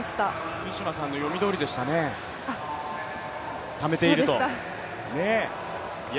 福島さんの読みどおりでしたね、ためていると。